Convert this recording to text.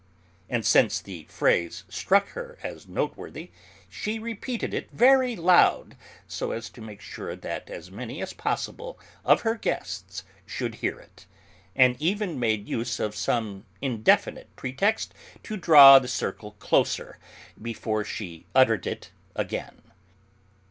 And since the phrase struck her as noteworthy, she repeated it very loud, so as to make sure that as many as possible of her guests should hear it, and even made use of some indefinite pretext to draw the circle closer before she uttered it again.